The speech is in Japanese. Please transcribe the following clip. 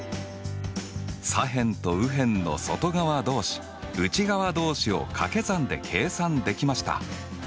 左辺と右辺の外側同士内側同士をかけ算で計算できました。